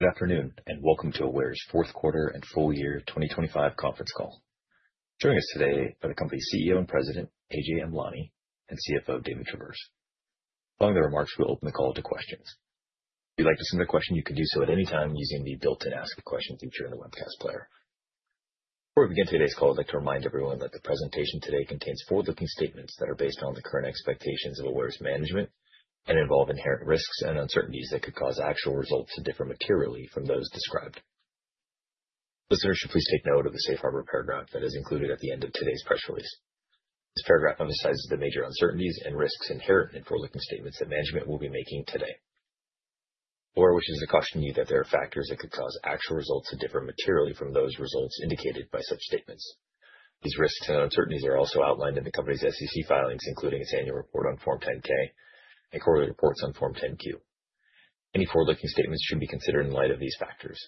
Good afternoon, welcome to Aware's fourth quarter and full year 2025 conference call. Joining us today are the company's CEO and President, Ajay Amlani, and CFO, David Traverse. Following the remarks, we'll open the call to questions. If you'd like to submit a question, you can do so at any time using the built-in ask a question feature in the webcast player. Before we begin today's call, I'd like to remind everyone that the presentation today contains forward-looking statements that are based on the current expectations of Aware's management and involve inherent risks and uncertainties that could cause actual results to differ materially from those described. Listeners should please take note of the safe harbor paragraph that is included at the end of today's press release. This paragraph emphasizes the major uncertainties and risks inherent in forward-looking statements that management will be making today, or wishes to caution you that there are factors that could cause actual results to differ materially from those results indicated by such statements. These risks and uncertainties are also outlined in the company's SEC filings, including its annual report on Form 10-K and quarterly reports on Form 10-Q. Any forward-looking statements should be considered in light of these factors.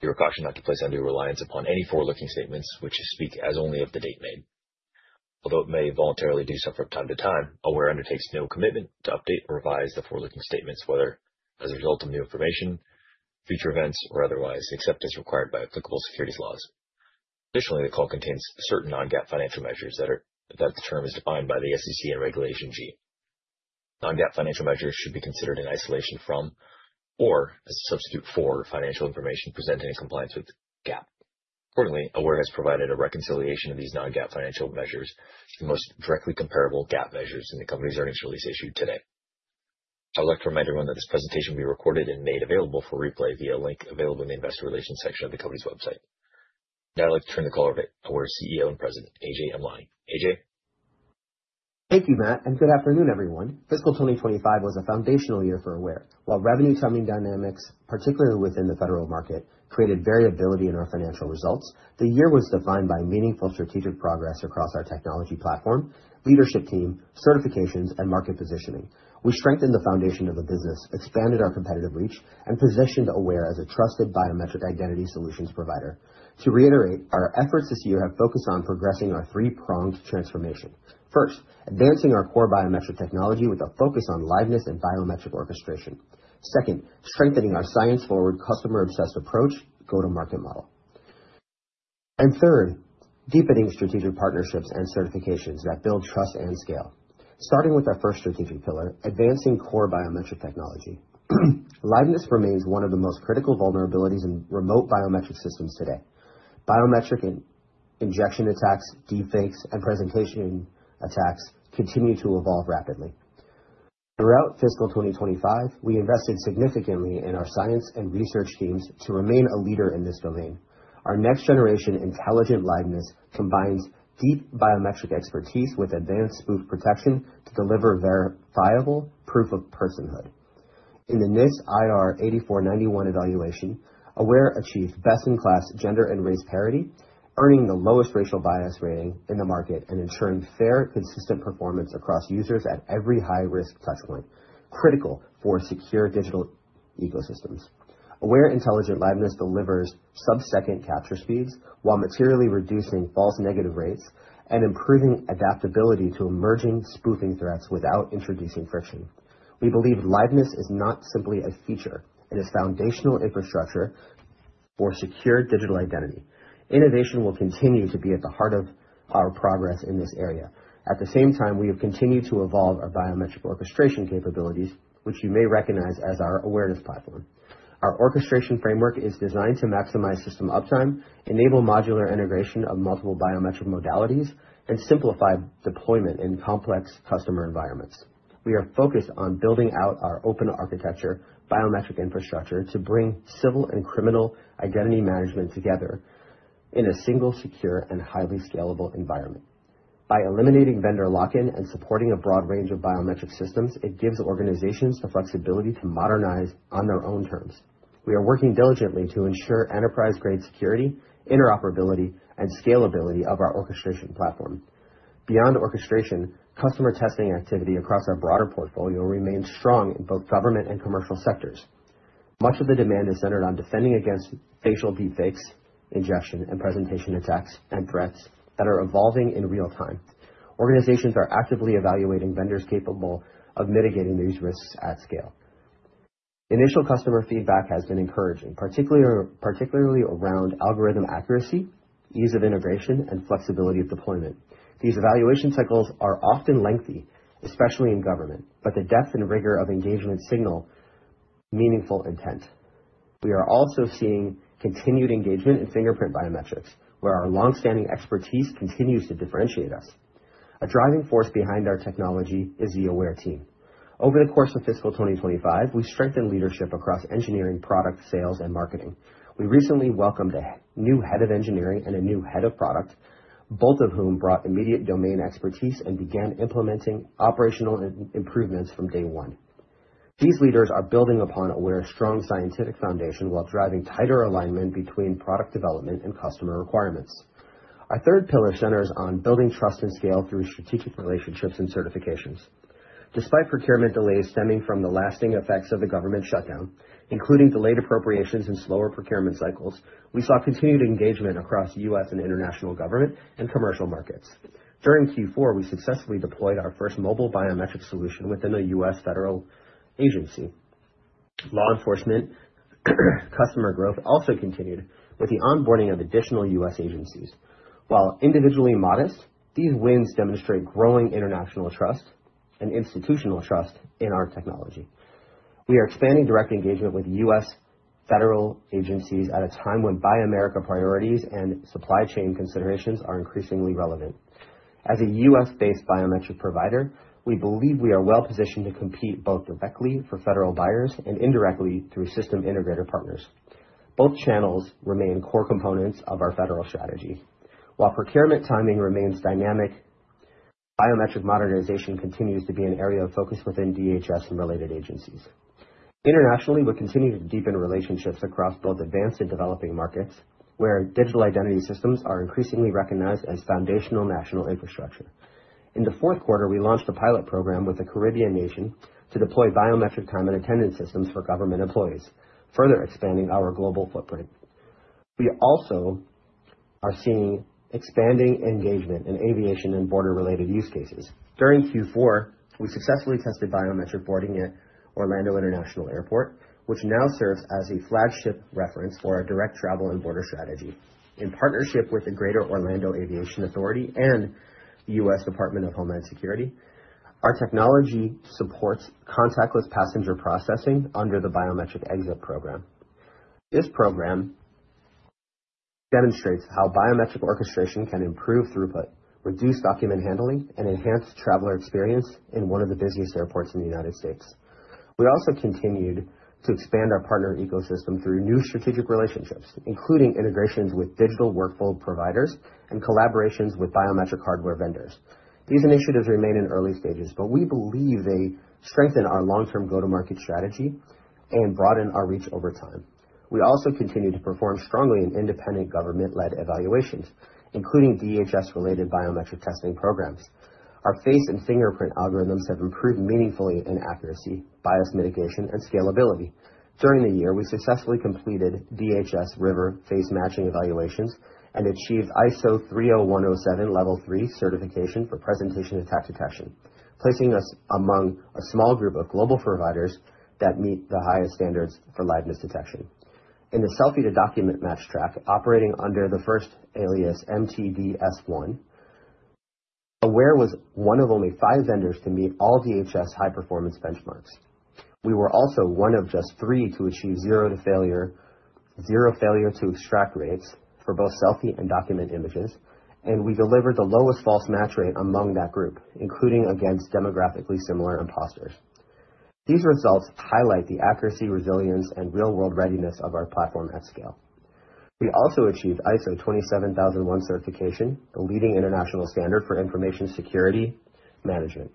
You're cautioned not to place undue reliance upon any forward-looking statements which speak as only of the date made. Although it may voluntarily do so from time to time, Aware undertakes no commitment to update or revise the forward-looking statements, whether as a result of new information, future events, or otherwise, except as required by applicable securities laws. Additionally, the call contains certain non-GAAP financial measures that the term is defined by the SEC and Regulation G. Non-GAAP financial measures should be considered in isolation from or as a substitute for financial information presented in compliance with GAAP. Accordingly, Aware has provided a reconciliation of these non-GAAP financial measures to the most directly comparable GAAP measures in the company's earnings release issued today. I would like to remind everyone that this presentation will be recorded and made available for replay via a link available in the investor relations section of the company's website. I'd like to turn the call over to our CEO and President, Ajay Amlani. Ajay. Thank you, Matt, and good afternoon, everyone. Fiscal 2025 was a foundational year for Aware. While revenue trending dynamics, particularly within the federal market, created variability in our financial results, the year was defined by meaningful strategic progress across our technology platform, leadership team, certifications, and market positioning. We strengthened the foundation of the business, expanded our competitive reach, and positioned Aware as a trusted biometric identity solutions provider. To reiterate, our efforts this year have focused on progressing our three-pronged transformation. First, advancing our core biometric technology with a focus on liveness and biometric orchestration. Second, strengthening our science-forward, customer-obsessed approach go-to-market model. Third, deepening strategic partnerships and certifications that build trust and scale. Starting with our first strategic pillar, advancing core biometric technology. Liveness remains one of the most critical vulnerabilities in remote biometric systems today. Biometric injection attacks, deepfakes, and presentation attacks continue to evolve rapidly. Throughout fiscal 2025, we invested significantly in our science and research teams to remain a leader in this domain. Our next-generation Intelligent Liveness combines deep biometric expertise with advanced spoof protection to deliver verifiable proof of personhood. In the NIST IR 8491 evaluation, Aware achieved best-in-class gender and race parity, earning the lowest racial bias rating in the market and ensuring fair, consistent performance across users at every high-risk touch point, critical for secure digital ecosystems. Aware Intelligent Liveness delivers sub-second capture speeds while materially reducing false negative rates and improving adaptability to emerging spoofing threats without introducing friction. We believe liveness is not simply a feature, it is foundational infrastructure for secure digital identity. Innovation will continue to be at the heart of our progress in this area. At the same time, we have continued to evolve our biometric orchestration capabilities, which you may recognize as our Awareness Platform. Our orchestration framework is designed to maximize system uptime, enable modular integration of multiple biometric modalities, and simplify deployment in complex customer environments. We are focused on building out our open architecture biometric infrastructure to bring civil and criminal identity management together in a single secure and highly scalable environment. By eliminating vendor lock-in and supporting a broad range of biometric systems, it gives organizations the flexibility to modernize on their own terms. We are working diligently to ensure enterprise-grade security, interoperability, and scalability of our orchestration platform. Beyond orchestration, customer testing activity across our broader portfolio remains strong in both government and commercial sectors. Much of the demand is centered on defending against facial deepfakes, injection attacks, and presentation attacks and threats that are evolving in real time. Organizations are actively evaluating vendors capable of mitigating these risks at scale. Initial customer feedback has been encouraging, particularly around algorithm accuracy, ease of integration, and flexibility of deployment. These evaluation cycles are often lengthy, especially in government, but the depth and rigor of engagement signal meaningful intent. We are also seeing continued engagement in fingerprint biometrics, where our long-standing expertise continues to differentiate us. A driving force behind our technology is the Aware team. Over the course of fiscal 2025, we strengthened leadership across engineering, product, sales, and marketing. We recently welcomed a new head of engineering and a new head of product, both of whom brought immediate domain expertise and began implementing operational improvements from day one. These leaders are building upon Aware's strong scientific foundation while driving tighter alignment between product development and customer requirements. Our third pillar centers on building trust and scale through strategic relationships and certifications. Despite procurement delays stemming from the lasting effects of the government shutdown, including delayed appropriations and slower procurement cycles, we saw continued engagement across U.S. and international government and commercial markets. During Q4, we successfully deployed our first mobile biometric solution within a U.S. federal agency. Law enforcement customer growth also continued with the onboarding of additional U.S. agencies. While individually modest, these wins demonstrate growing international trust and institutional trust in our technology. We are expanding direct engagement with U.S. federal agencies at a time when Buy America priorities and supply chain considerations are increasingly relevant. As a U.S.-based biometric provider, we believe we are well-positioned to compete both directly for federal buyers and indirectly through system integrator partners. Both channels remain core components of our federal strategy. While procurement timing remains dynamic, biometric modernization continues to be an area of focus within DHS and related agencies. Internationally, we're continuing to deepen relationships across both advanced and developing markets, where digital identity systems are increasingly recognized as foundational national infrastructure. In the fourth quarter, we launched a pilot program with a Caribbean nation to deploy biometric time and attendance systems for government employees, further expanding our global footprint. We also are seeing expanding engagement in aviation and border-related use cases. During Q4, we successfully tested biometric boarding at Orlando International Airport, which now serves as a flagship reference for our direct travel and border strategy. In partnership with the Greater Orlando Aviation Authority and the U.S. Department of Homeland Security, our technology supports contactless passenger processing under the Biometric Exit Program. This program demonstrates how biometric orchestration can improve throughput, reduce document handling, and enhance traveler experience in one of the busiest airports in the United States. We also continued to expand our partner ecosystem through new strategic relationships, including integrations with digital workflow providers and collaborations with biometric hardware vendors. These initiatives remain in early stages, but we believe they strengthen our long-term go-to-market strategy and broaden our reach over time. We also continue to perform strongly in independent government-led evaluations, including DHS-related biometric testing programs. Our face and fingerprint algorithms have improved meaningfully in accuracy, bias mitigation, and scalability. During the year, we successfully completed DHS river face matching evaluations and achieved ISO 30107-3 certification for presentation attack detection, placing us among a small group of global providers that meet the highest standards for liveness detection. In the selfie-to-document match track operating under the first alias, MTD S one, Aware was one of only five vendors to meet all DHS high-performance benchmarks. We were also one of just three to achieve zero to failure, zero failure to extract rates for both selfie and document images. We delivered the lowest false match rate among that group, including against demographically similar imposters. These results highlight the accuracy, resilience, and real-world readiness of our platform at scale. We also achieved ISO 27001 certification, a leading international standard for information security management.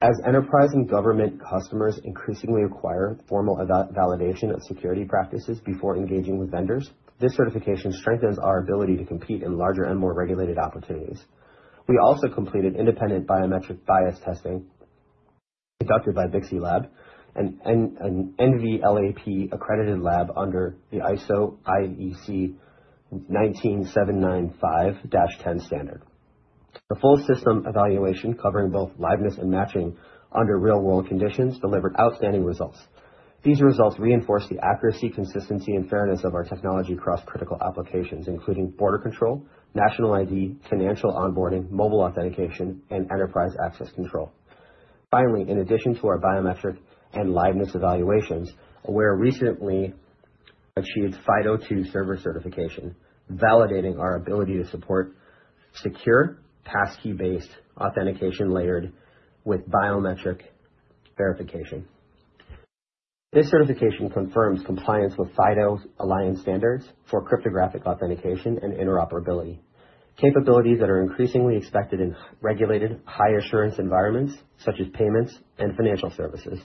As enterprise and government customers increasingly require formal eval-validation of security practices before engaging with vendors, this certification strengthens our ability to compete in larger and more regulated opportunities. We also completed independent biometric bias testing conducted by BixeLab, an NVLAP-accredited lab under the ISO/IEC 19795-10 standard. The full system evaluation, covering both liveness and matching under real-world conditions, delivered outstanding results. These results reinforce the accuracy, consistency, and fairness of our technology across critical applications, including border control, national ID, financial onboarding, mobile authentication, and enterprise access control. In addition to our biometric and liveness evaluations, Aware recently achieved FIDO2 server certification, validating our ability to support secure passkey-based authentication layered with biometric verification. This certification confirms compliance with FIDO Alliance standards for cryptographic authentication and interoperability, capabilities that are increasingly expected in regulated high-assurance environments such as payments and financial services.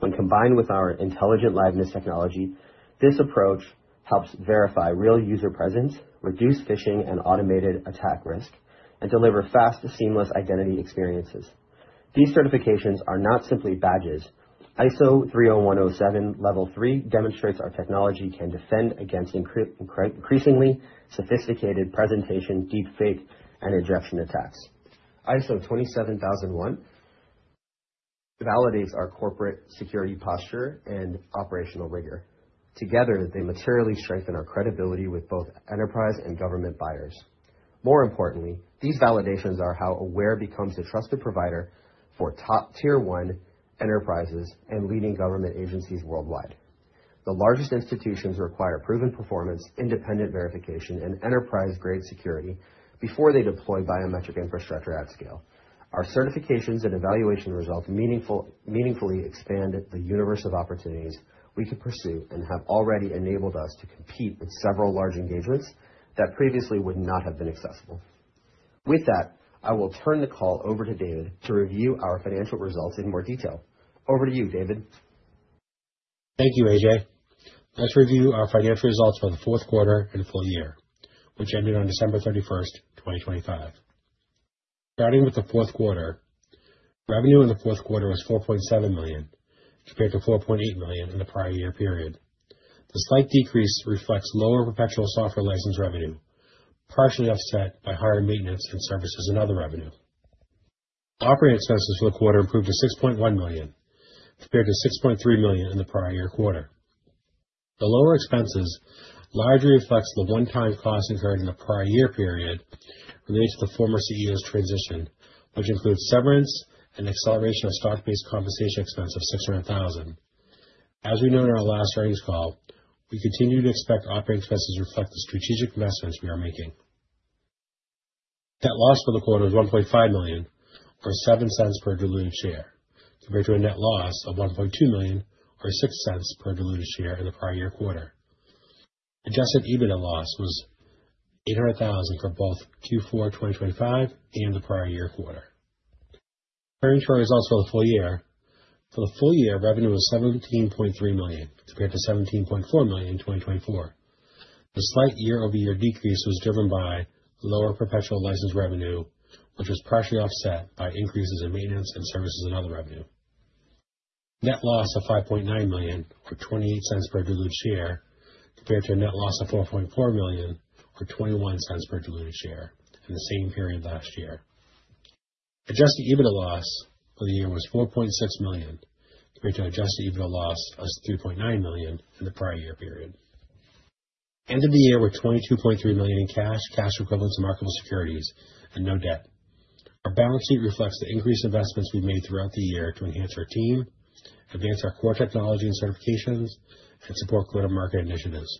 When combined with our Intelligent Liveness technology, this approach helps verify real user presence, reduce phishing and automated attack risk, and deliver fast, seamless identity experiences. These certifications are not simply badges. ISO 30107-3 demonstrates our technology can defend against increasingly sophisticated presentation, deepfake, and injection attacks. ISO 27001 validates our corporate security posture and operational rigor. Together, they materially strengthen our credibility with both enterprise and government buyers. More importantly, these validations are how Aware becomes a trusted provider for top tier one enterprises and leading government agencies worldwide. The largest institutions require proven performance, independent verification, and enterprise-grade security before they deploy biometric infrastructure at scale. Our certifications and evaluation results meaningfully expand the universe of opportunities we can pursue and have already enabled us to compete with several large engagements that previously would not have been accessible. With that, I will turn the call over to David to review our financial results in more detail. Over to you, David. Thank you, Ajay. Let's review our financial results for the fourth quarter and full year, which ended on December 31st, 2025. Starting with the fourth quarter. Revenue in the fourth quarter was $4.7 million, compared to $4.8 million in the prior year period. The slight decrease reflects lower perpetual software license revenue, partially offset by higher maintenance and services and other revenue. Operating expenses for the quarter improved to $6.1 million compared to $6.3 million in the prior year quarter. The lower expenses largely reflects the one-time costs incurred in the prior year period related to the former CEO's transition, which includes severance and acceleration of stock-based compensation expense of $600,000. As we noted in our last earnings call, we continue to expect operating expenses to reflect the strategic investments we are making. Net loss for the quarter was $1.5 million, or $0.07 per diluted share, compared to a net loss of $1.2 million, or $0.06 per diluted share in the prior-year quarter. Adjusted EBITDA loss was $800,000 for both Q4 2025 and the prior-year quarter. Turning to results for the full year. For the full year, revenue was $17.3 million compared to $17.4 million in 2024. The slight year-over-year decrease was driven by lower perpetual license revenue, which was partially offset by increases in maintenance and services and other revenue. Net loss of $5.9 million or $0.28 per diluted share compared to a net loss of $4.4 million or $0.21 per diluted share in the same period last year. Adjusted EBITDA loss for the year was $4.6 million compared to Adjusted EBITDA loss of $3.9 million in the prior year period. Ended the year with $22.3 million in cash equivalents to marketable securities, and no debt. Our balance sheet reflects the increased investments we've made throughout the year to enhance our team, advance our core technology and certifications, and support go-to-market initiatives.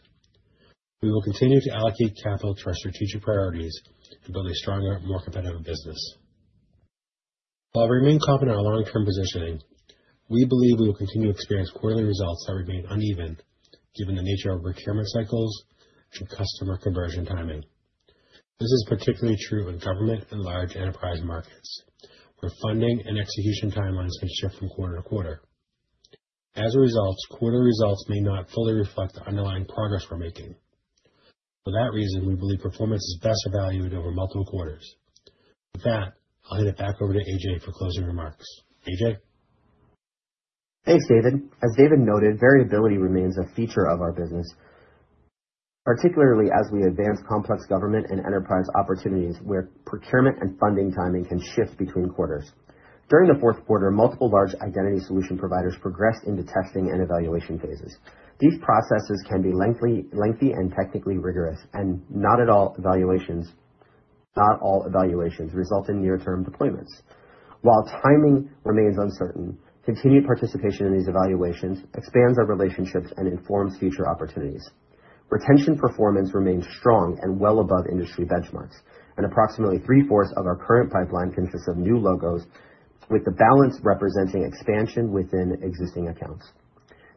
We will continue to allocate capital to our strategic priorities and build a stronger, more competitive business. While we remain confident in our long-term positioning, we believe we will continue to experience quarterly results that remain uneven given the nature of procurement cycles and customer conversion timing. This is particularly true in government and large enterprise markets, where funding and execution timelines can shift from quarter to quarter. As a result, quarter results may not fully reflect the underlying progress we're making. For that reason, we believe performance is best evaluated over multiple quarters. With that, I'll hand it back over to AJ for closing remarks. Ajay. Thanks, David. As David noted, variability remains a feature of our business, particularly as we advance complex government and enterprise opportunities where procurement and funding timing can shift between quarters. During the fourth quarter, multiple large identity solution providers progressed into testing and evaluation phases. These processes can be lengthy and technically rigorous and not all evaluations result in near-term deployments. While timing remains uncertain, continued participation in these evaluations expands our relationships and informs future opportunities. Retention performance remains strong and well above industry benchmarks. Approximately three-fourths of our current pipeline consists of new logos, with the balance representing expansion within existing accounts.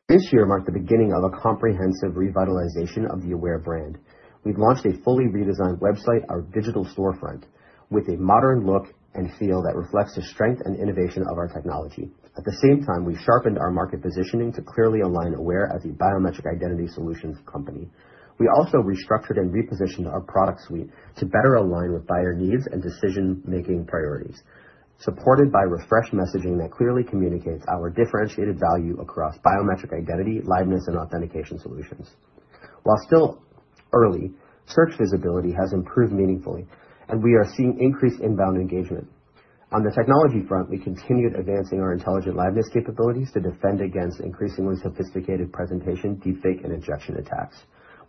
This year marked the beginning of a comprehensive revitalization of the Aware brand. We've launched a fully redesigned website, our digital storefront with a modern look and feel that reflects the strength and innovation of our technology. At the same time, we've sharpened our market positioning to clearly align Aware as a biometric identity solutions company. We also restructured and repositioned our product suite to better align with buyer needs and decision-making priorities, supported by refreshed messaging that clearly communicates our differentiated value across biometric identity, liveness, and authentication solutions. While still early, search visibility has improved meaningfully and we are seeing increased inbound engagement. On the technology front, we continued advancing our Intelligent Liveness capabilities to defend against increasingly sophisticated presentation, deepfake, and injection attacks.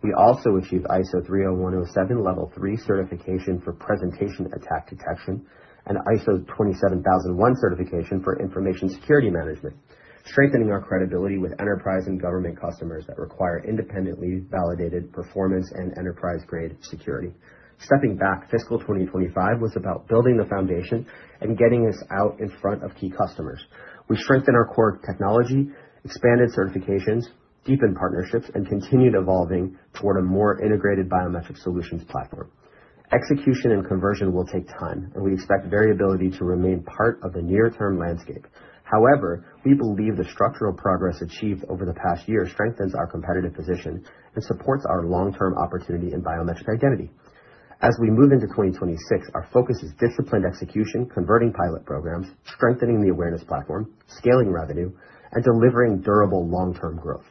We also achieved ISO 30107-3 level 3 certification for Presentation Attack Detection and ISO 27001 certification for information security management, strengthening our credibility with enterprise and government customers that require independently validated performance and enterprise-grade security. Stepping back, fiscal 2025 was about building the foundation and getting us out in front of key customers. We strengthened our core technology, expanded certifications, deepened partnerships, and continued evolving toward a more integrated biometric solutions platform. Execution and conversion will take time. We expect variability to remain part of the near-term landscape. However, we believe the structural progress achieved over the past year strengthens our competitive position and supports our long-term opportunity in biometric identity. As we move into 2026, our focus is disciplined execution, converting pilot programs, strengthening the Awareness Platform, scaling revenue, and delivering durable long-term growth.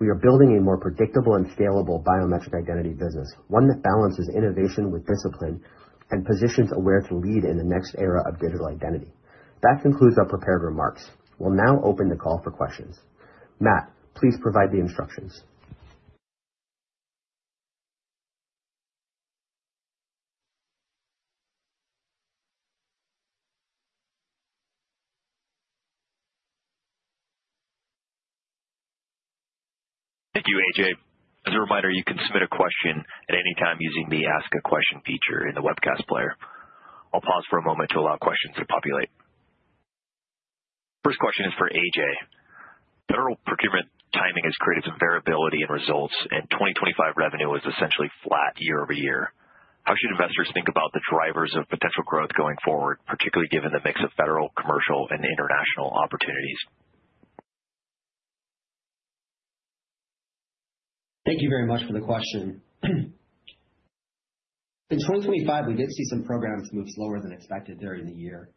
We are building a more predictable and scalable biometric identity business, one that balances innovation with discipline and positions Aware to lead in the next era of digital identity. That concludes our prepared remarks. We'll now open the call for questions. Matt, please provide the instructions. Thank you, Ajay. As a reminder, you can submit a question at any time using the Ask a Question feature in the webcast player. I'll pause for a moment to allow questions to populate. First question is for AJ. federal procurement timing has created some variability in results, and 2025 revenue was essentially flat year-over-year. How should investors think about the drivers of potential growth going forward, particularly given the mix of federal, commercial, and international opportunities? Thank you very much for the question. In 2025, we did see some programs move slower than expected during the year.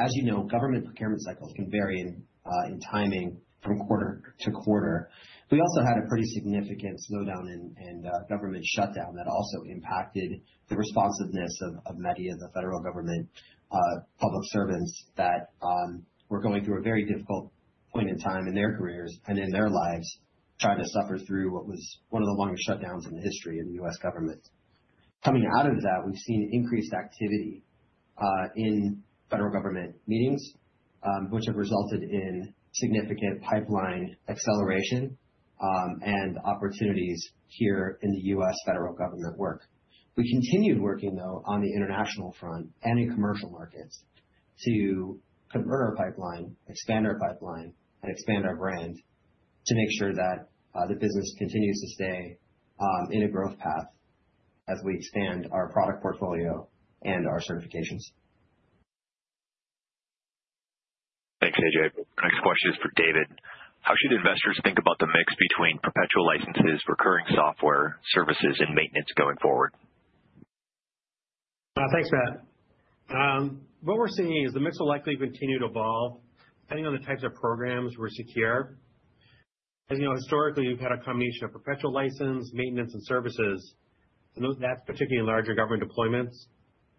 As you know, government procurement cycles can vary in timing from quarter to quarter. We also had a pretty significant slowdown in government shutdown that also impacted the responsiveness of many of the federal government public servants that were going through a very difficult point in time in their careers and in their lives, trying to suffer through what was one of the longer shutdowns in the history of the U.S. government. Coming out of that, we've seen increased activity in federal government meetings, which have resulted in significant pipeline acceleration and opportunities here in the U.S. federal government work. We continued working, though, on the international front and in commercial markets to convert our pipeline, expand our pipeline, and expand our brand to make sure that the business continues to stay in a growth path as we expand our product portfolio and our certifications. Thanks, Ajay. Next question is for David. How should investors think about the mix between perpetual licenses, recurring software services and maintenance going forward? Thanks, Matt. What we're seeing is the mix will likely continue to evolve depending on the types of programs we secure. As you know, historically, we've had a combination of perpetual license, maintenance and services. That's particularly in larger government deployments.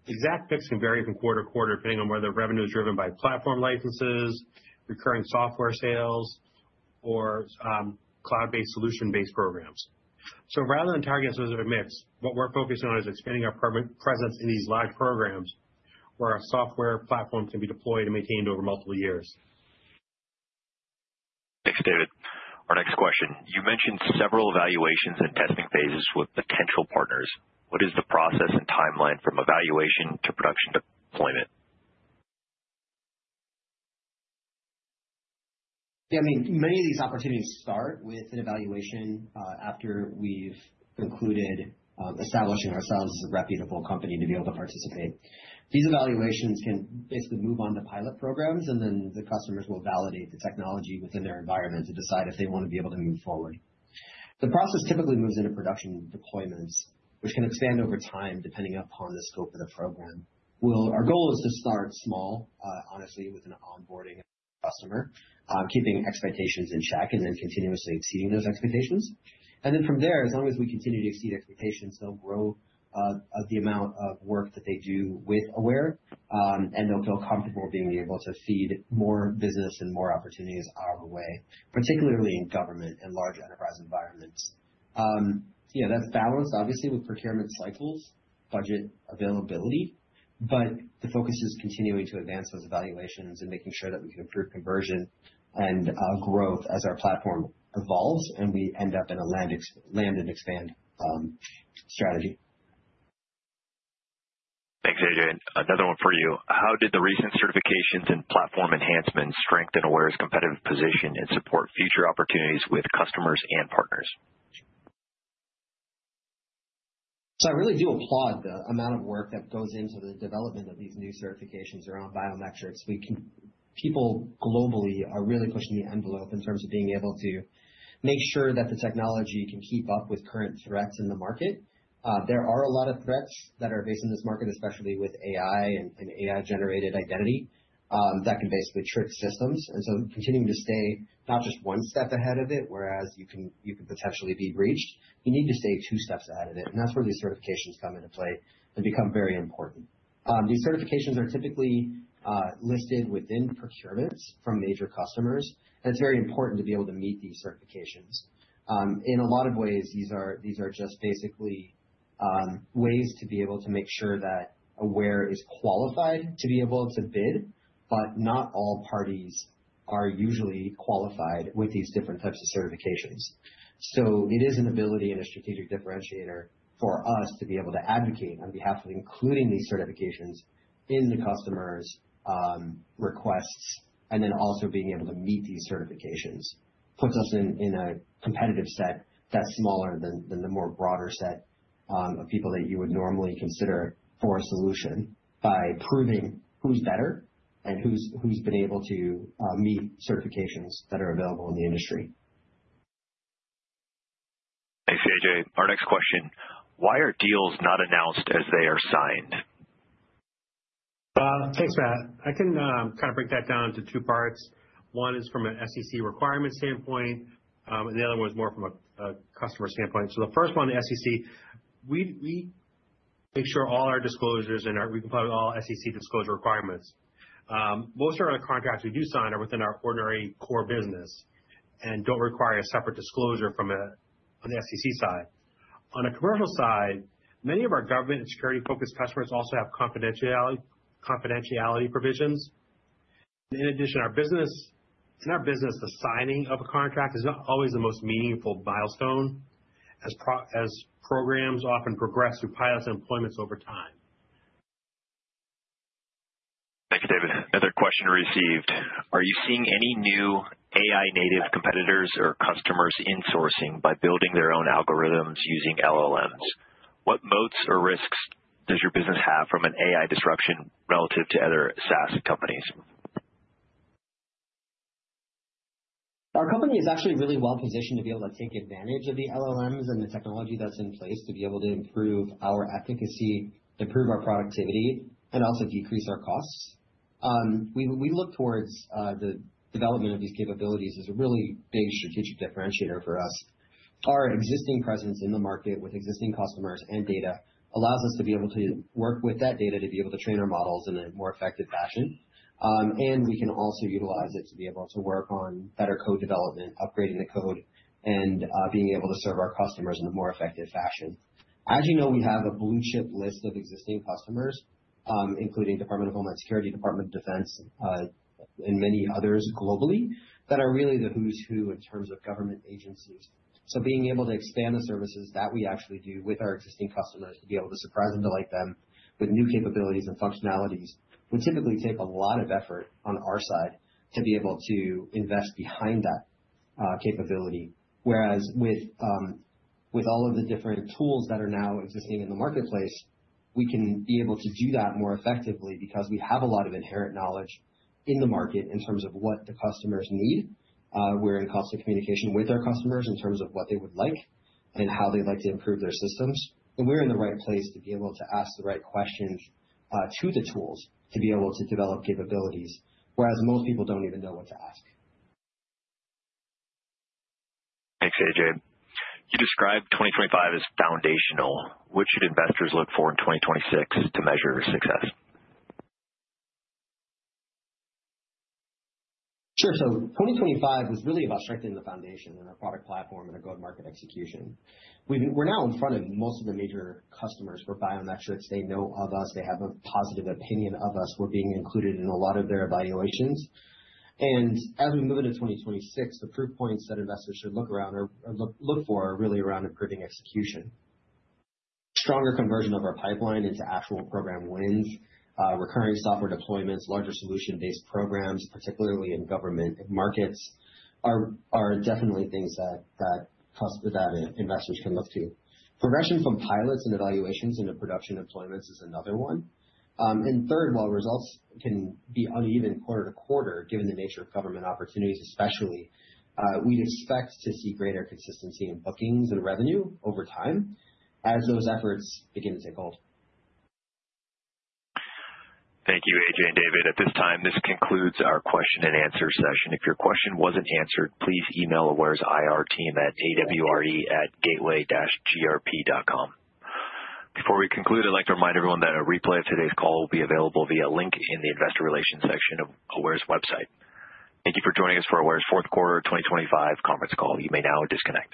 Exact mix can vary from quarter to quarter, depending on whether revenue is driven by platform licenses, recurring software sales or cloud-based, solution-based programs. Rather than target a specific mix, what we're focused on is expanding our presence in these live programs where our software platform can be deployed and maintained over multiple years. Thanks, David. Our next question: You mentioned several evaluations and testing phases with potential partners. What is the process and timeline from evaluation to production deployment? Yeah, I mean, many of these opportunities start with an evaluation, after we've concluded establishing ourselves as a reputable company to be able to participate. These evaluations can basically move on to pilot programs, and then the customers will validate the technology within their environment to decide if they wanna be able to move forward. The process typically moves into production deployments, which can expand over time, depending upon the scope of the program. Well, our goal is to start small, honestly, with an onboarding customer, keeping expectations in check and then continuously exceeding those expectations. Then from there, as long as we continue to exceed expectations, they'll grow the amount of work that they do with Aware, and they'll feel comfortable being able to feed more business and more opportunities our way, particularly in government and large enterprise environments. Yeah, that's balanced obviously with procurement cycles, budget availability, but the focus is continuing to advance those evaluations and making sure that we can improve conversion and growth as our platform evolves and we end up in a land and expand strategy. Thanks, Ajay. Another one for you: How did the recent certifications and platform enhancements strengthen Aware's competitive position and support future opportunities with customers and partners? I really do applaud the amount of work that goes into the development of these new certifications around biometrics. People globally are really pushing the envelope in terms of being able to make sure that the technology can keep up with current threats in the market. There are a lot of threats that are based in this market, especially with AI and AI-generated identity that can basically trick systems. Continuing to stay not just one step ahead of it, whereas you can potentially be breached, you need to stay two steps ahead of it, and that's where these certifications come into play and become very important. These certifications are typically listed within procurements from major customers, and it's very important to be able to meet these certifications. In a lot of ways, these are, these are just basically ways to be able to make sure that Aware is qualified to be able to bid, but not all parties are usually qualified with these different types of certifications. It is an ability and a strategic differentiator for us to be able to advocate on behalf of including these certifications in the customer's requests, and then also being able to meet these certifications, puts us in a competitive set that's smaller than the more broader set of people that you would normally consider for a solution by proving who's better and who's been able to meet certifications that are available in the industry. Thanks, Ajay. Our next question: Why are deals not announced as they are signed? Thanks, Matt. I can kinda break that down into two parts. One is from an SEC requirement standpoint, and the other one is more from a customer standpoint. The first one, the SEC, we make sure all our disclosures and we comply with all SEC disclosure requirements. Most of our contracts we do sign are within our ordinary core business and don't require a separate disclosure on the SEC side. On a commercial side, many of our government and security-focused customers also have confidentiality provisions. In addition, in our business, the signing of a contract is not always the most meaningful milestone as programs often progress through pilots and employments over time. Thank you, David. Another question received: Are you seeing any new AI-native competitors or customers insourcing by building their own algorithms using LLMs? What moats or risks does your business have from an AI disruption relative to other SaaS companies? Our company is actually really well positioned to be able to take advantage of the LLMs and the technology that's in place to be able to improve our efficacy, improve our productivity, and also decrease our costs. We look towards the development of these capabilities as a really big strategic differentiator for us. Our existing presence in the market with existing customers and data allows us to be able to work with that data to be able to train our models in a more effective fashion. We can also utilize it to be able to work on better code development, upgrading the code, and being able to serve our customers in a more effective fashion. As you know, we have a blue chip list of existing customers, including Department of Homeland Security, Department of Defense, and many others globally that are really the who's who in terms of government agencies. Being able to expand the services that we actually do with our existing customers to be able to surprise and delight them with new capabilities and functionalities would typically take a lot of effort on our side to be able to invest behind that capability. Whereas with all of the different tools that are now existing in the marketplace, we can be able to do that more effectively because we have a lot of inherent knowledge in the market in terms of what the customers need. We're in constant communication with our customers in terms of what they would like and how they'd like to improve their systems. We're in the right place to be able to ask the right questions, to the tools to be able to develop capabilities, whereas most people don't even know what to ask. Thanks, Ajay. You described 2025 as foundational. What should investors look for in 2026 to measure success? Sure. 2025 is really about strengthening the foundation and our product platform and our go-to-market execution. We're now in front of most of the major customers for biometrics. They know of us. They have a positive opinion of us. We're being included in a lot of their evaluations. As we move into 2026, the proof points that investors should look around or look for are really around improving execution. Stronger conversion of our pipeline into actual program wins, recurring software deployments, larger solution-based programs, particularly in government markets, are definitely things that investors can look to. Progression from pilots and evaluations into production deployments is another one. Third, while results can be uneven quarter to quarter, given the nature of government opportunities especially, we'd expect to see greater consistency in bookings and revenue over time as those efforts begin to take hold. Thank you, Ajay and David. At this time, this concludes our question and answer session. If your question wasn't answered, please email Aware's IR team at awre@gateway-grp.com. Before we conclude, I'd like to remind everyone that a replay of today's call will be available via link in the investor relations section of Aware's website. Thank you for joining us for Aware's fourth quarter of 2025 conference call. You may now disconnect.